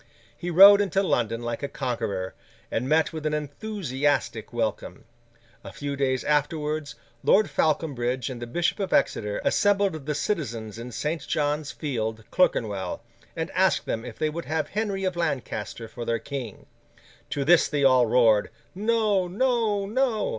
He rode into London like a conqueror, and met with an enthusiastic welcome. A few days afterwards, Lord Falconbridge and the Bishop of Exeter assembled the citizens in St. John's Field, Clerkenwell, and asked them if they would have Henry of Lancaster for their King? To this they all roared, 'No, no, no!